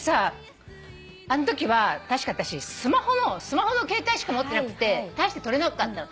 あのときは確かあたしスマホの携帯しか持ってなくて大して撮れなかったの。